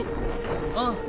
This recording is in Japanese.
ああ。